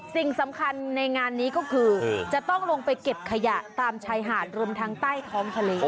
สิ่งสำคัญในงานนี้ก็คือจะต้องลงไปเก็บขยะตามชายหาดรวมทั้งใต้ท้องทะเล